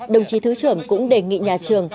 đồng chí thứ trưởng cũng đề nghị nhà trường